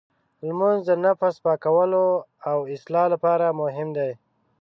لمونځ د نفس پاکولو او اصلاح لپاره مهم دی.